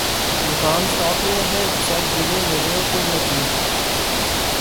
مقام شوق میں ہیں سب دل و نظر کے رقیب